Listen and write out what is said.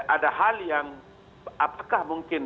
ada hal yang apakah mungkin